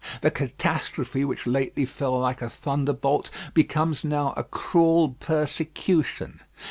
The catastrophe which lately fell like a thunderbolt, becomes now a cruel persecution.